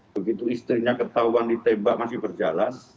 begitu istrinya ketahuan ditembak masih berjalan